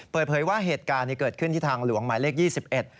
เปิดเผยว่าเหตุการณ์นี้เกิดขึ้นที่ทางหลวงหมายเลขยี่สิบเอ็ด